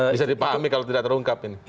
bisa dipahami kalau tidak terungkap ini